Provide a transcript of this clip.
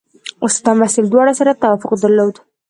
استاد او محصل دواړو سره توافق درلود.